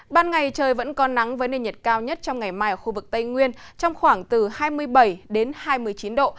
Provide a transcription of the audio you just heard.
ban ngày trời vẫn có nắng với nền nhiệt cao nhất trong ngày mai ở khu vực tây nguyên trong khoảng từ hai mươi bảy đến hai mươi chín độ